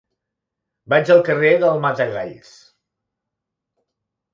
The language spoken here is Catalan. Vaig al carrer del Matagalls.